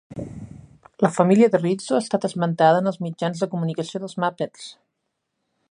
La família de Rizzo ha estat esmentada en els mitjans de comunicació dels Muppets.